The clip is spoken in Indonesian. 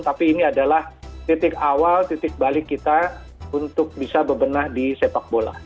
tapi ini adalah titik awal titik balik kita untuk bisa bebenah di sepak bola